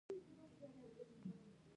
مېوه د تخم ساتنه کوي